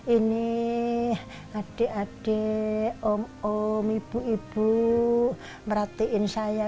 ini adik adik om om ibu ibu merhatiin saya